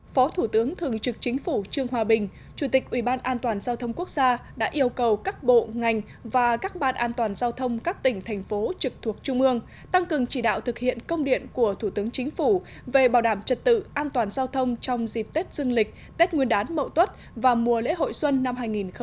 phó thủ tướng thường trực chính phủ trương hòa bình chủ tịch ủy ban an toàn giao thông quốc gia đã yêu cầu các bộ ngành và các ban an toàn giao thông các tỉnh thành phố trực thuộc trung ương tăng cường chỉ đạo thực hiện công điện của thủ tướng chính phủ về bảo đảm trật tự an toàn giao thông trong dịp tết dương lịch tết nguyên đán mậu tuất và mùa lễ hội xuân năm hai nghìn hai mươi